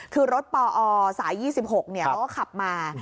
คือรถปอสาย๒๖เขาก็ขับมา